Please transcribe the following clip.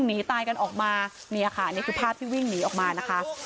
หนีตายกันออกมาเนี่ยค่ะนี่คือภาพที่วิ่งหนีออกมานะคะ